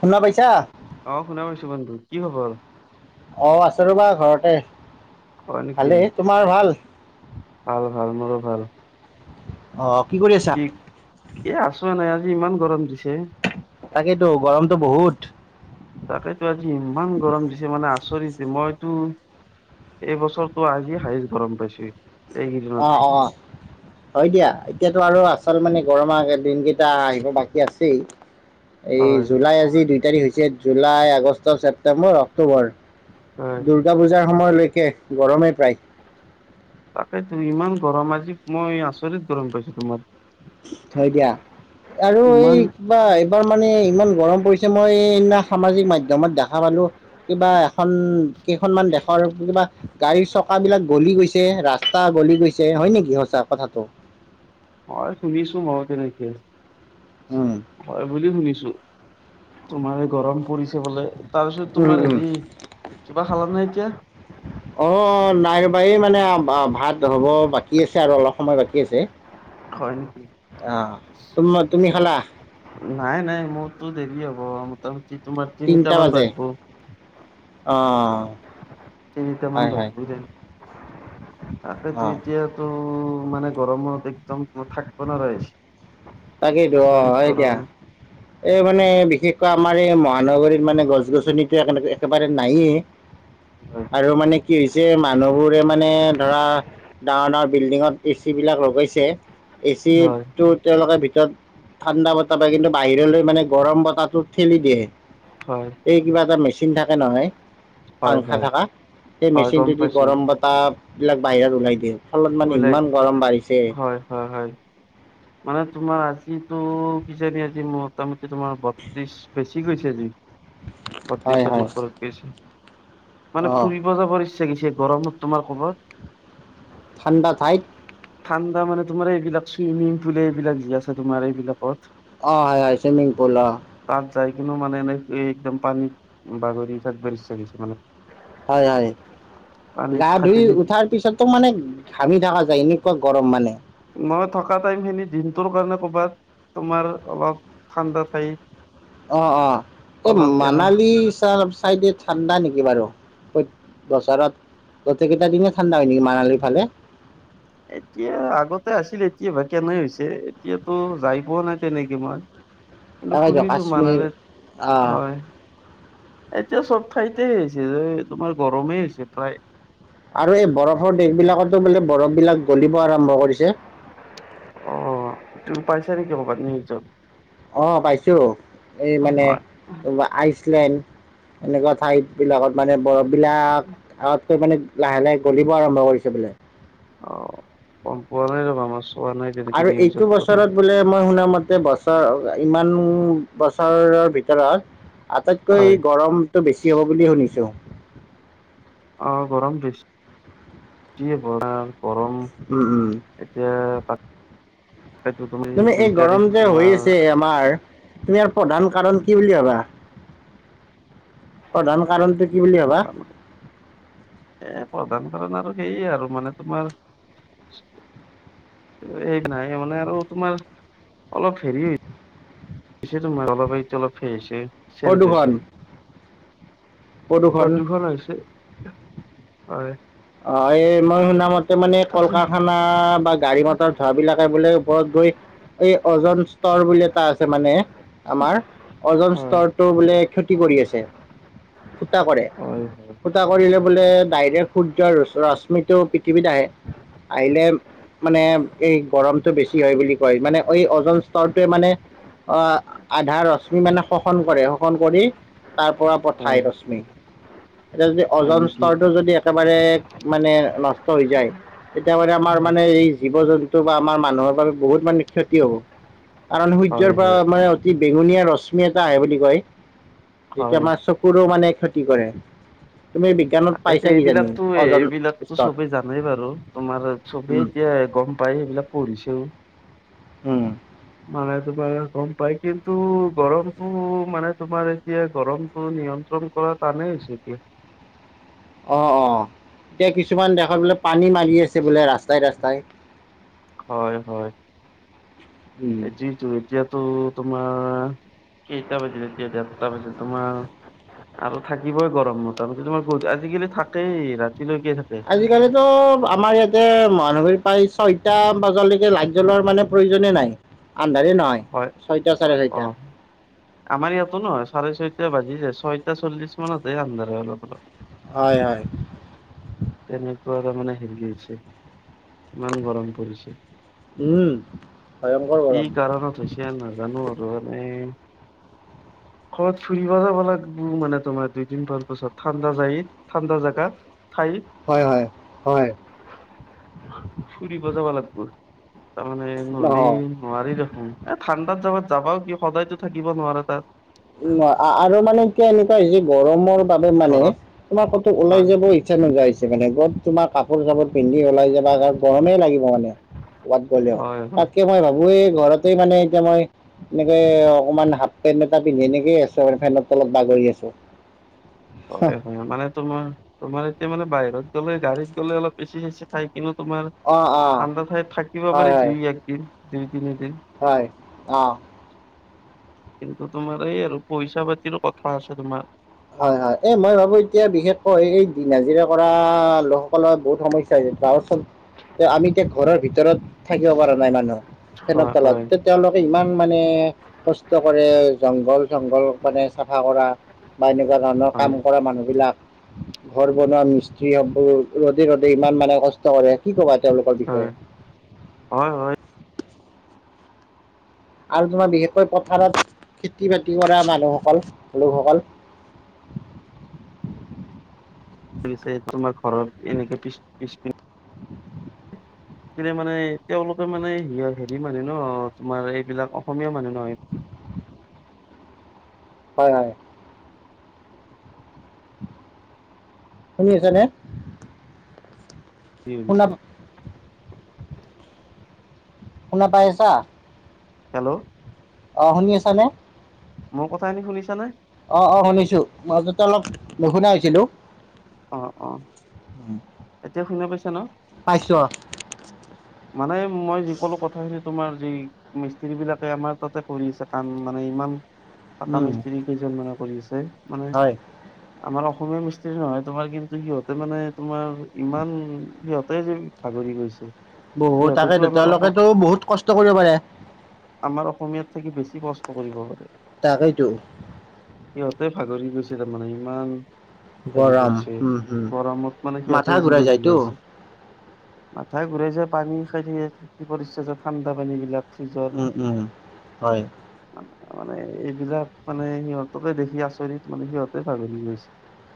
শুনা পাইছা অ', শুনা পাইছো, বন্ধু কি খবৰ? অ', আছে ৰ'বা ঘৰতে। হয় নেকি ভালেই তোমাৰ ভাল ভাল ভাল মোৰো ভাল। অ'। কি এ আছোৱা নাই আজি ইমান গৰম দিছে। তাকেইেতো গৰমটো বহুত। তাকেতো আজি ইমান গৰম দিছে মানে আচৰিতে মইতো এই বছৰটো আজি হাইচ গৰম পাইছো। এইকেইদিনত অ', অ', হয় দিয়া এতিয়াতো আৰু আছে। আচল মানে গৰম আ দিনকেইটা আহিব বাকী আছেই। এই হয় জুলাই আজি দুই তাৰিখ হৈছে জুলাই, আগষ্ট, ছেপটেম্বৰ, অক্টোবৰ। হয় দুূৰ্গা পূজাৰ সময়লৈকে গৰমেই প্ৰায়। তাকেই তো ইমান গৰম আজি মই আচৰিত গৰম পাইছো তোমাৰ। হয় দিয়া আৰু এই ইমান কিবা এইবাৰ মানে ইমান গৰম পৰিছে মই সদিনা সামাজিক মাধ্যমত দেখা পালো কিবা এখন কেইখনমানান দেশৰ আৰু কিবা গাড়ীৰ চক বিলাক গলি গৈছে ৰাস্তা গলি গৈছে হয় নেকি সঁচা কথাটো। [inaudible] হয় শুনিছোঁ মই তেনেকে উম হয় বুলি শুনিছোঁ। তোমাৰ গৰম পৰিছে বোলে। তাৰ পিছত উম তোমাৰ উম হেৰি, কিবা খালা নাই এতিয়া? বাৰ মানে ভাত হ'ব বাকী আছে আৰু অলপ সময় বাকী আছে। হয় নেকি অঁ তুম তুমি খালা নাই নাই মোৰতো দেৰি হ'ব। অ', মোটামুটি তোমাৰ তিনিটামান বাজব। অ'। তেনিতা মন বাজব ন [unintelligible] তাকেতো অঁ এতিয়াতো মানে গৰমত একদম থাকিব নোৱাৰ তাকেইতো অ', হয় দিয়া। এই মানে বিশেষকৈ আমাৰ এই মহানগৰীত মানে গছ গছনিতো একেবাৰে নায়েই। হয় আৰু মানে কি হৈছে মানুহবোৰে মানে ধৰা ডাঙৰ ডাঙৰ বিল্ডিঙত এ চি বিলাক লগাইছে এ হয় চিটো তেওঁলোকৰ ভিতৰত ঠাণ্ডা বতাহ পায় কিন্তু বাহিৰলৈ মানে গৰম বতাহটোত ঠেলি দিয়ে। হয় এই কিবা এটা মেচিন থাকে নহয়। হয় পাংখা হয় থকা সেই হয় গম মেচিনটো দি পাইছো। গৰম বতাহ বিলাক বাহিৰত ওলাই দিয়ে। ফলত মানে উলাই, ইমান গৰম বাঢ়িছে হয় হয় হয় মানে তোমাৰ আ টো কিজানি আজি মোটামুটি তোমাৰ বত্ৰিশ বেছি গৈছে আজি। হয় পত্ৰিছৰ হয় উপৰত গৈছে। মানে অঁ ফুৰিব যাব ইচ্ছা কিছে গৰমত তোমাৰ ক'বাত। ঠাণ্ডা ঠাইত। ঠাণ্ডা মানে তোমাৰ এইবিলাক চুইমিং পুল এইবিলাক যি আছে তোমাৰ এইবিলাকত আহ হয় চুইমিং পূল। তাত যাই কিনো মানে এনে একদম পানীত বাগৰি থাকবা ইচ্ছা গিছে মানে। হয় হয় পানীত গা ধুই সাঁতুৰি থাকি উঠাৰ পিছতো মানে ঘামি থকা এনেকুৱা গৰম মানে। মই থকা টাইম খিনি দিনটোৰ কাৰণে কৰ'বাত তোমাৰ অলপ ঠাণ্ডা ঠাই অ', অ', এই মানালীৰ চাইডে ঠাণ্ডা নেকি বাৰু। প্ৰ বছৰত গোটেইকেইটা দিনে ঠাণ্ডা হয় নেকি মানালীৰ ফালে। এতিয়া আগতে আছিল এতিয়া বা কেনে হৈছে, এতিয়াতো যাই পোৱা নাই তেনেকে মই। কিন্তু তাকেইতো শুনিছো কাশ্মীৰ মানলৈ অ', হয়। এতিয়া চব ঠাইতে হৈছে এই তোমাৰ গৰমেই হৈছে প্ৰায়। আৰু এই বৰফৰ দেশ বিলাকতো বোলে বৰফবিলাক গলিব আৰম্ভ কৰিছে। অ তুমি পাইছা নেকি ম পাতত অ' পাইছো এই মানে হয় আইচ। ক্লেন এনেকুৱা ঠাইতবিলাকত মানে বৰফবিলাক মানে লাহে-লাহে গলিব আৰম্ভ কৰিছ বোলে। অ' গম পোৱা নাই ৰবা মাছ আৰু এইটো বছৰত বোলে মই শুনা মতে বছ ব ইমান বছৰৰ ভিতৰত আটাইতকৈ হয় গৰমটো বেছি হ'ব বুলি শুনিছোঁ। অ' গৰম বেছ- বেছিযে গৰাম। গৰম উম উম এতিয়া তাকেতো তুমি দুই এই গৰম তাৰিখ যে হৈ তোমাৰ আছে আমাৰ তুমি ইাৰ প্ৰধান কাৰণ কি বুলি ভাবা। প্ৰধান কাৰণটো কি বুলি ভবা। প্ৰধান এ প্ৰধান কাৰণ আৰু সেইয়ে আৰু মানে তোমাৰ। এই নাই মানে আৰু তোমাৰ অলপ হেৰি পিছে তোমাৰ অলপটো অলপ সে হৈছে চেঞ্জ প্ৰদূষণ হৈছে। প্ৰদূষণ হৈছে হয়। অ' এই মই শুনামতে মানে কল তাকে কাৰখানা বা গাড়ী মটৰ ধৰা বিলাকে বোলে। ওপৰত গৈ এই অজন স্তৰ বুলি এটা আছে মানে। আমাৰ ওজন হয় স্তৰটো বোলে ক্ষতি কৰি আছে। ফুটা কৰে হয় হয় ফুটা কৰিলে বোলে ডাইৰেক্ট। সূৰ্যৰ ৰশ্মিতটো পৃথিৱীত আহে আহিলে। মানে এই গৰমটো বেছি হয় বুলি কয় মানে এই অওজন স্তৰটোৱে মানে অহ আধা ৰশ্মি মানে শষন কৰে শোষন কৰি তাৰ পৰা পঠায় হয় ৰশ্মি এতিয়া যদি অজ হয় নেকি স্তৰটো যদি। মানে-মানে নষ্ট হৈ যায় তেতিয়া মাৰে আমাৰ হয় মানে এই জীৱ জন্তু বা আমাৰ মানুহৰ বাবে বহুত মানে ক্ষতি হব কাৰণ সূৰ্যৰ হয় পৰা হয় মানে অতি। বেঙুনীয়া ৰশ্মি এটা আহে বুলি কয়। যেতিয়া হয় আমাৰ চকুৰো মানে ক্ষতি কৰে তুমি বিজ্ঞানত পাইছা। কিজানি অজন এইবিলাকতো-এইবিলাকতো স্তৰ চবে জানেই বাৰু তোমাৰ চবেই উম, এতিয়া গম পায় সেইবিলাক প পঢ়িছেও। উম, মানে, তোমাৰ গম পাই । কিন্তু গৰমটো, মানে তোমাৰ এতিয়া গৰমত নিয়ন্ত্ৰণ কৰা টানেই হৈছে এতিয়া। অ', অ'। এতিয়া কিছুমান দেশত বোলে পানী মাৰি আছে বোলে ৰাস্তাই ৰাস্তাই। হ'য়, হ'য়। উম। এতি তো, এতিয়া তো তোমাৰ কেইটা বাজিলে? এতিয়া দেৰটা বাজিল। তোমাৰ আৰু থাকিবই গৰম। মতা-মতি তোমাৰ আজি [unintelligible] থাকেই ৰা আজিকালিতো আমাৰ ইয়াতে মহানগৰীৰ প্ৰায় ছয়টা বাজালৈকে লাইট জ্বলোৱাৰ মানে প্ৰয়োজনে নাই। আন্ধাৰে নহয় হ'য়। ছয়টা চাৰে ছয়টা অ'। আমাৰ ইয়াতো নহয়। চাৰে-ছয়টা বাজি যায়। ছয়টা চলিছ মানতহে আন্ধাৰ হয় অলপ অলপ। হ'য়, হ'য়। তাৰ মানে হেৰি হৈছে। ইমান গৰম পৰিছে। উম ভয়ংকৰ কি গৰম কাৰণত হৈছে নাজানু আৰু এনে কবাত ফুৰিব যাব লাগিব মানে তোমাৰ। দুইদিন মান পাছত ঠাণ্ডা যায়, ঠাণ্ডা জাগাত, ঠাই হ'য়, হ'য়। হ'য়। ফুৰিব যাব লাগব তাৰমানে নহ'লি অঁ নোৱাৰি দেখোন। এ ঠাণ্ডা তাত যাবাত যাবাও কি সদায়তো থাকিব নোৱাৰে তাত! আৰু মানে এতিয়া এনেকুৱা হৈছে গৰমৰ বাবে মানে, ঘৰত তোমাৰ ক'ত ওলাই হয় যাব ইচ্ছা নোযোৱা হৈছে মানে, গত তোমাৰ কাপোৰ চাপৰ পিন্ধি ওলাই যাবা গৰমেই লাগিব মানে। কোৱাত গ'লেও, হয় হয় তাতকে মই ভাবো এই ঘৰতে মানে এতিয়া মই অনেকে অকমান হাপপেন্ত পিন্ধি, এনেকে আছো মানে। ফেন তলত বাগৰি আছো। হয়-হয়। মানে তোমাৰ, তোমাৰ এতিয়া মানে বাহিৰত গলে' গাড়ীত গলে অলপ এচি চেছি পাই অ অ হয় হয় কিন্তু [unintelligible] হয়। অহ। কিন্তু তোমাৰ এই আৰু, পইচা পাতিৰো কথা আছে তোমাৰ। হয়, হয়। এই মই ভাবো এতিয়া বিশেষকৈ, এই দিন হাজিৰা কৰা লোকসকলৰ বহুত সমস্যা হৈছে। [unintelligible] তে, আমি এতিয়া ঘৰৰ ভিতৰত থাকিব পৰা নাই মানুহ। ফেন হয় হয় তলতে। তেওঁলোকে ইমান মান মানে কষ্ট কৰে, জংঘল-চংঘল মানে চফা কৰা বা এনেকুৱা ধৰণৰ হয় কাম কৰা মানুহ বিলাক ঘৰ বনোৱা মিস্ত্ৰী সমোহ, ৰ'দে-ৰ'দে ইমান মানে কষ্ট কৰে, কি ক'বা তেওঁলোকৰ হয় বিষয়ে। হয় হয় তেওঁ আৰু তোমাৰ বিশেষকৈ পথাৰত খেতি- বাতি কৰা মানু্হসকল লোকসকল [inaudible] ছে তোমাৰ ঘৰত এনেকে। পিছ, পিছি [inaudible] নে মানে তেওঁলোকে মানে, হেৰি মানুহ ন তোমাৰ এইবিলাক অসমীয়া মানুহ নহয়। হয় হয়। শুনি আছা নে? [unintelligible] শুনা পাই আছা? হেল্ল'। অ শুনি আছানে? মোৰ কথাখিনি শুনিছানে অ' অ' শুনিছো। মাজতে অলপ নুশুনা হইছিলোঁ। অ' অ' এতিয়া শুনি পাইছা ন? পাইছো অ'। মানে মই যিকোলো কথাখিনি তোমাৰ যি মিস্ত্ৰী বিলাকে আমাৰ তাতে কৰি আছে কাম, মানে ইমান পাকা উম, মিস্ত্ৰী কেইজনমানে কৰি আছে মানে। হয় আমাৰ অসমীয়া মিস্ত্ৰী নহয়। তোমাৰ কিন্তু সিহঁতে মানে, তোমাৰ ইমান সিহঁতে ভাগৰি গৈছে। বহুত, সিহঁতেতো তাকেইেতো, আমাৰ অসম তেওঁলোকেতো বহুত কষ্ট কৰিব পাৰে আমাৰ অসমীয়াত থাকি বেছি কষ্ট কৰিব পাৰে। তাকেইতো সিহঁতে ভাগৰি গৈছে তাৰমানে হেৰি গৰম। কৰিছে উম, উম, গৰমত মানে মাথা সিহঁতে ঘূৰাই জিৰণি যায়তো লৈ আছে। মাথাই ঘূৰাইছে পা [unintelligible] পৰিছে যে ঠাণ্ডা পানী বিলাক। ফ্ৰিজৰ উম' উম, হয়। মানে, এইবিলাক মানে সিহঁতকে দেখি আচৰিত মানে সিহঁতে ভাগৰি গৈছে।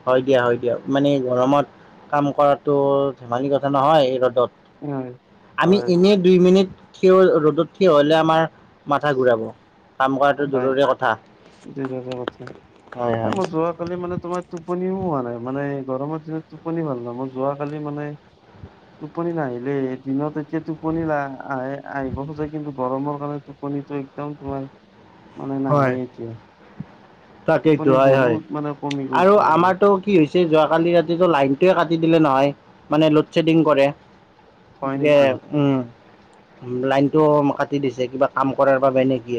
হয় দিয়া। হয় দিয়া। মানে গৰমত, কাম কৰাতটো ধেমালি কথা নহয়, এই ৰ'দত। হয় আমি হয় এনেই দুই মিনিট থিয়, ৰ'দত থিয় হলে আমাৰ মাথা ঘূৰাব। কাম কৰাটো হয়। জৰুৰী কথা [unintelligible] হয়, এ হয়। মই যোৱা কালিমানে তোমাৰ টোপনিও পোৱা নাই ।মানে গৰমত দিনত টোপনি ভাল নহয়, মই যোৱাকালি মানে টোপনি নাহিলে। দিনত এতিয়া টোপনি আহে, আহিব খোজে কিন্তু গৰমৰ কাৰণে টোপনি টোপনিটো একদম তোমাৰ মানে নাহেই এতিয়া। তাকেইটো। টোপনি হয়' হয়। বহুত মানে কমি আৰু গৈছে মানে আমাৰতটো কি হৈছে যোৱাকালি ৰাতিতটো লাইটোয়ে কাটি দিলে নহয়। মানে লোডেচেডিং কৰে। হয় গতিকে নেকি উম, লাইন। টো কাটি দিছে কিবা কাম কৰাৰ বাবে নেকি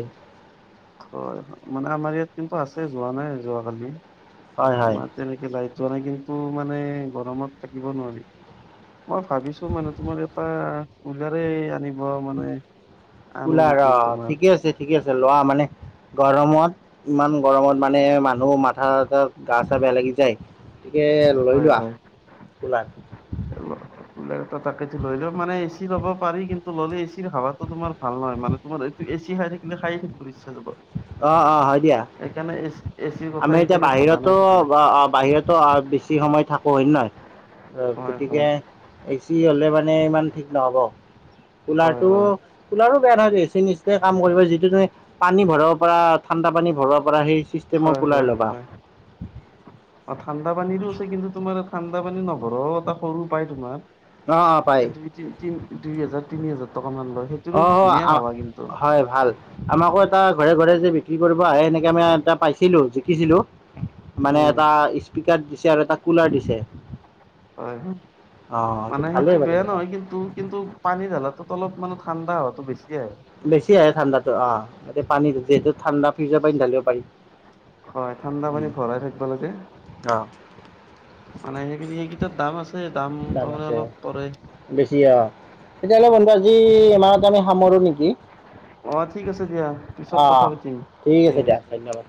হয় হয় মানে আমাৰ ইয়াত কিন্তু আছে যোৱা নাই যোৱাকালি হয় হয় তোমাৰ তেনেকৈ লাইট আ নাই কিন্তু মানে গৰমত থাকিব নোৱাৰি মই ভাবিছো মানে তোমাৰ এটা উলাৰে আনিব মানে আনো কুলাৰ নেকি অ তোমাৰ ঠিকে আছে ঠিকে আছে লোৱা মানে গৰমত ইমান গৰমত। মানে মানুহ মাথা এ গা চা বেয়া লাগি যায়। গতিকে লৈ হয় লোৱা হয় কোলাৰ। ব তাকে লৈলেও মানে এচি ল'ব পাৰি কিন্তু। ললে এ চিৰ খাবাোমাৰ ভাল নহ মানে তোমাৰ এইটো এ চি খাই থাকিলে খাই থাকিব ইচ্ছা যাব। আহ অ' হয় দিয়া। সেইকাৰণে এ এচিৰ কথা আমি এতিয়া সেইকাৰণে ভাবা বাহিৰতো নাই তোমাৰ বাহিৰতো বেছি সময় থাকো হয়ে নহয়। হয় হয় গতিকে এ চি হলে মানে ইমান ঠিক নহব। কুলাৰ হয় টো হয় কুলাৰো বেয়া নহয়ি নিচিনা কাম কৰিব যিটো তুমি পানী ভৰাব পৰা। ঠাণ্ডা পানি ভৰব পৰা সেই চিষ্টেমক। হয় হয় অ ঠাণ্ডা পানীৰো আছে কিন্তু তোমাৰ। ঠাণ্ডা পানী নভৰ এটা সৰু পায় তোমাৰ অ অ পায় দুই তি তি দুই হাজাৰ তিনি হাজাৰ। টকা মান লয় সেইটোৰো অ' ধুনীয়া হাৱা কিন্তু হয় ভাল আমাকো এটা। ঘৰে ঘৰে যে বিক্ৰী কৰিব আহে সেনেকে মি এটা পাইছিলো জিকিছিলো মানে উম এটা স্পকাৰ। দিছে আৰু তাক কুলাৰ দিছে। হয় অ এইটো মানে ভালেই সেইটো বাৰু বেয়া কথা নহয় কিন্তু কিন্তু পানী জালাতো। অলপান ঠাণ্ডা হোৱাটো বি বেছি আহে ঠাণ্ডাতো অ' এয়া পানী যিহেতু ঠাণ্ডা ফ্ৰিজ পানি ঢালিব পাৰি। হয় ঠাণ্ডা উম পানী ভৰাই থাকিব লাগে। অ মানে সেইনি এইকেইটাত দাম আছে দাম তাৰমানে অলপ পৰে। বেছি অ তেতিয়াহ'লে বন্ধু আজি ইমাহত আমি সামৰো নেকি। অ' ঠিক আছে দিয়া। পিছত কথা আহ পাতিম ঠিক আছে ইয়াৰ দিয়া বিষয়ে ধন্যবাদ।